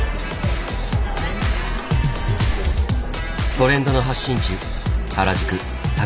トレンドの発信地